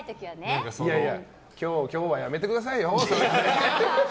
今日はやめてくださいよ？